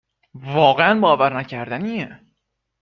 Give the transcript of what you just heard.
واقعا باورنکردنیه